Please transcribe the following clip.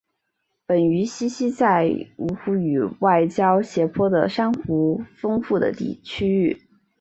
本鱼栖息在舄湖与外礁斜坡的珊瑚丰富的区域。